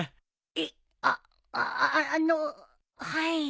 えっあっあのうはい。